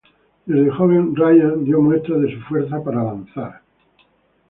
Desde joven Ryan dio muestras de su fuerza para lanzar.